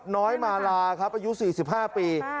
น้อยมาลาครับอายุ๔๕ปี